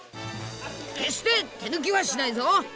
決して手抜きはしないぞ！